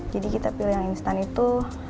jadi kita pilih yang instan itu